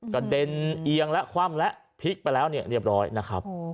กระเด็นเอียงและคว่ำและพลิกไปแล้วเนี่ยเรียบร้อยนะครับ